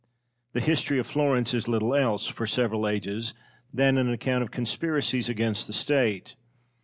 The history of Florence is little else, for several ages, than an account of conspiracies against the State.